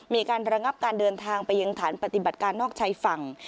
มีการระงับการเดินทางไปยังฐานปฏิบัติการนอกชายฝั่ง